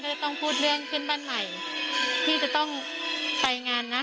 ถ้าจะต้องพูดเรื่องขึ้นบ้านใหม่พี่จะต้องไปงานนะ